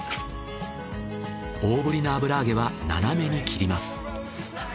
大ぶりな油揚げは斜めに切ります。